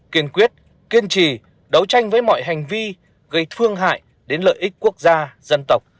kiên quyết kiên trì đấu tranh với mọi hành vi gây thương hại đến lợi ích quốc gia dân tộc